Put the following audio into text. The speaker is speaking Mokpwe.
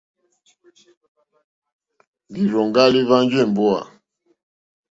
Lírzòŋgá líhwánjì èmbówà.